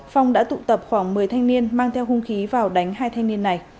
phong đã tụ tập khoảng một mươi thanh niên mang theo hung khí vào đánh hai thanh niên này